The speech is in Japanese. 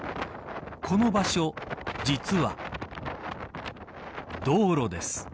この場所、実は道路です。